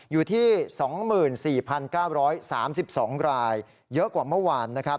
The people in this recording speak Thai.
อยู่ที่๒๔๙๓๒รายเยอะกว่าเมื่อวานนะครับ